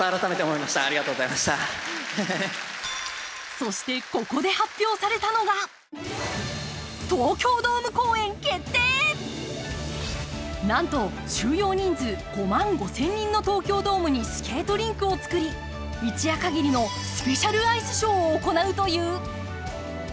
そして、ここで発表されたのがなんと収容人数５万５０００人の東京ドームにスケートリンクを造り一夜かぎりのスペシャルアイスショーを行うという。